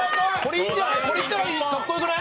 いったらかっこよくない？